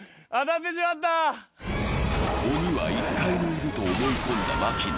鬼は１階にいると思い込んだ槙野。